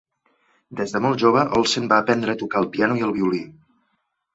Des de molt jove Olsen va aprendre a tocar el piano i el violí.